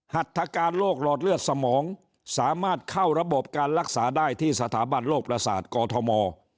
หัตถการโรคหลอดเลือดสมองสามารถเข้าระบบการรักษาได้ที่สถาบันโลกประสาทกอทม